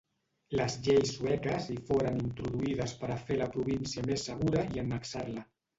Les lleis sueques hi foren introduïdes per a fer la província més segura i annexar-la.